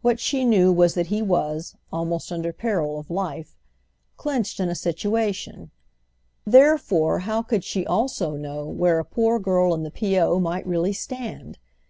What she knew was that he was, almost under peril of life, clenched in a situation: therefore how could she also know where a poor girl in the P.O. might really stand?